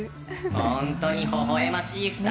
本当にほほえましい２人。